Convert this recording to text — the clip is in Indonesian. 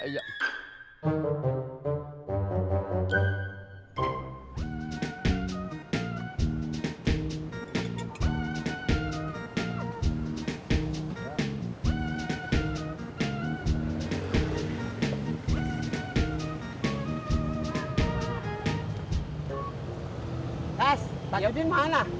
kas tak yudin mana